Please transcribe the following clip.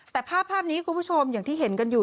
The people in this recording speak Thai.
แต่ภาพนี้คุณผู้ชมอย่างที่เห็นกันอยู่